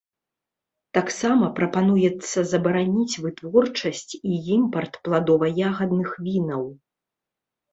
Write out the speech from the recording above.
Таксама прапануецца забараніць вытворчасць і імпарт пладова-ягадных вінаў.